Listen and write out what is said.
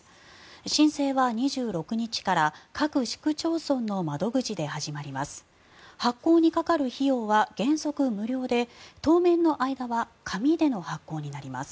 申請は２６日から各市区町村の窓口で始まります。